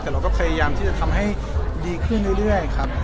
แต่เราก็พยายามที่จะทำให้ดีขึ้นเรื่อยครับ